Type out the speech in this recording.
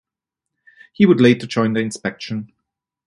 He would later join the Inspection.